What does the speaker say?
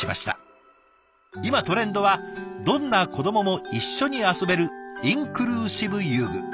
今トレンドはどんな子どもも一緒に遊べるインクルーシブ遊具。